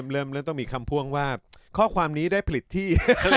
เริ่มต้องมีคำพ่วงว่าข้อความนี้ได้ผลิตที่